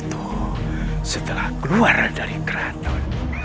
ternyata aku sudah tua